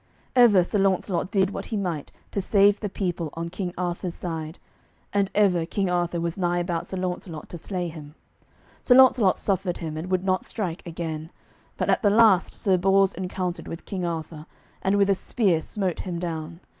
Ever Sir Launcelot did what he might to save the people on King Arthur's side, and ever King Arthur was nigh about Sir Launcelot to slay him. Sir Launcelot suffered him, and would not strike again; but at the last Sir Bors encountered with King Arthur, and with a spear smote him down.